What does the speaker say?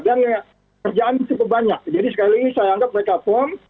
dan kerjaan itu kebanyak jadi sekali lagi saya anggap mereka form